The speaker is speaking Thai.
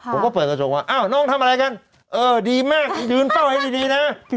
ผมก็เปิดกระจกว่าอ้าวน้องทำอะไรกันเออดีมากยืนเฝ้าให้ดีนะ